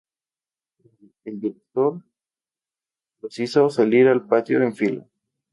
Cumbia, el director, los hizo salir al patio en fila.